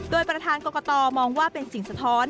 โดยประธานกรกตมองว่าเป็นสิ่งสะท้อน